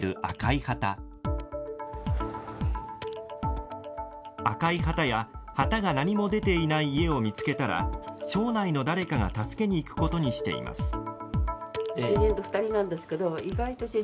赤い旗や旗が何も出ていない家を見つけたら、町内の誰かが助けに行くことにしています。